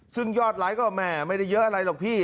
ซึ่งยอดไลค์ก็แหมไม่ได้เยอะอะไรหรอกพี่